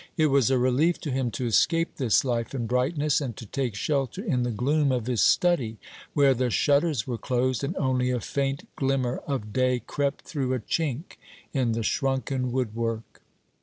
It was a relief to him to escape this life and brightness, and to take shelter in the gloom of his study, where the shutters were closed, and only a faint glimmer of day crept through a chink in the shrunken woodwork.